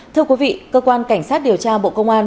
thưa quý vị cơ quan cảnh sát điều tra bộ công an